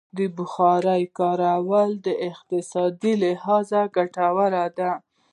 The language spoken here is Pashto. د بخارۍ کارول د اقتصادي لحاظه ګټور دي.